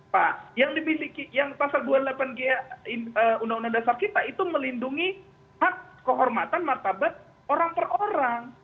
pak yang dimiliki yang pasal dua puluh delapan g undang undang dasar kita itu melindungi hak kehormatan martabat orang per orang